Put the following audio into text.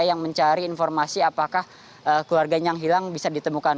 yang mencari informasi apakah keluarganya yang hilang bisa ditemukan